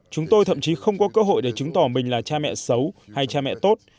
chúng tôi thậm chí không có cơ hội để chứng tỏ mình là cha mẹ xấu hay cha mẹ tốt